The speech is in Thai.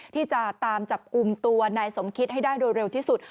ที่จะตามจับกลุ่มตัวนายสมคิดให้ได้โดยเร็วที่สุด